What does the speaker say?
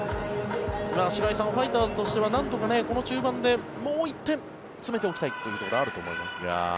白井さん、ファイターズとしてはなんとかこの中盤でもう１点詰めておきたいというところがあると思いますが。